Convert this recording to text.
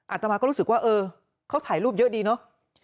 อาตมาก็รู้สึกว่าเออเขาถ่ายรูปเยอะดีเนอะ